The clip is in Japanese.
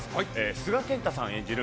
須賀健太さん演じる